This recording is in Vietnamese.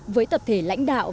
với tập thể lãnh đạo